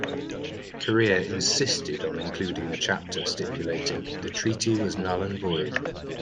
Korea insisted on including a chapter stipulating "The treaty was null and void".